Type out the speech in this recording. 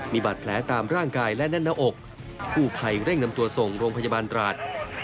มีบาดแผลตามร่างกายและแน่นหน้าอกผู้ภัยเร่งนำตัวส่งโรงพยาบาลตราด